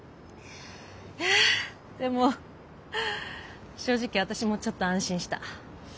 いやでも正直私もちょっと安心した。